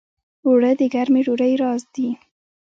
اوړه د ګرمې ډوډۍ راز دي